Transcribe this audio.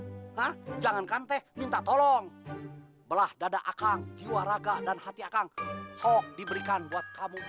nah jangankan teh minta tolong belah dada akang jiwa raga dan hati akang hoax diberikan buat kamu